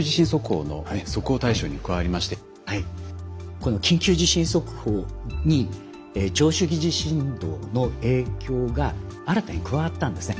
この緊急地震速報に長周期地震動の影響が新たに加わったんですね。